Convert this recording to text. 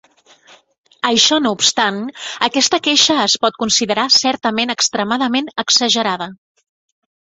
Això no obstant, aquesta queixa es pot considerar certament extremadament exagerada.